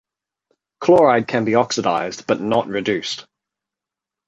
Chloride can be oxidized but not reduced.